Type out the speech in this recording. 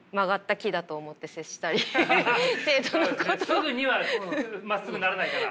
すぐにはまっすぐにならないから。